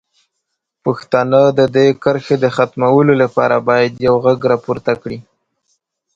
پښتانه د دې کرښې د ختمولو لپاره باید یو غږ راپورته کړي.